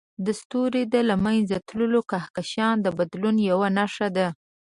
د ستوري له منځه تلل د کهکشان د بدلون یوه نښه ده.